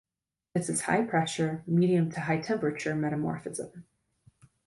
This is high-pressure, medium- to high-temperature metamorphism.